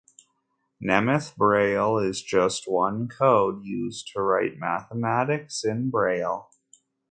Nemeth Braille is just one code used to write mathematics in braille.